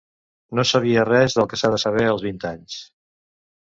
No sabia res del que s'ha de saber als vint anys